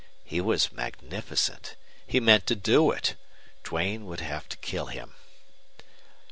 He was magnificent. He meant to do it. Duane would have to kill him.